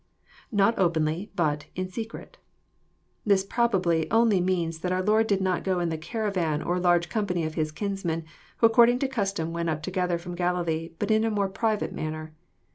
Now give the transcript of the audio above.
INbt openly, but,..in secreU"] This probably only means that our Lord did not go in the caravan, or large company of His kinsmen, who according to custom went up together from Gali lee, but in a more private manner.